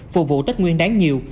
phụ vụ tết nguyên đáng nhiều